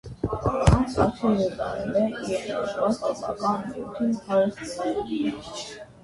Այն աչքի կը զարնէ իր ընդգրկած պատմական նիւթի հարստութեամբ։